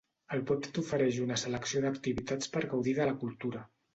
El web t'ofereix una selecció d'activitats per gaudir de la cultura.